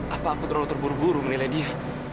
apa aku terlalu terburu buru menilai dia